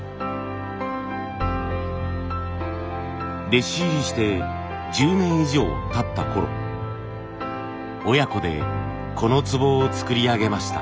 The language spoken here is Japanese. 弟子入りして１０年以上たったころ親子でこの壺を作り上げました。